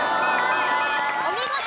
お見事！